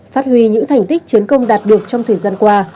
phát huy những thành tích chiến công đạt được trong thời gian qua